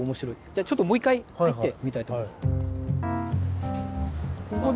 じゃあちょっともう一回入ってみたいと思います。